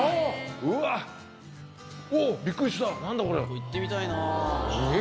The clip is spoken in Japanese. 行ってみたいな。